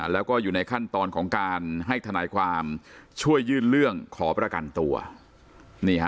แล้วก็อยู่ในขั้นตอนของการให้ทนายความช่วยยื่นเรื่องขอประกันตัว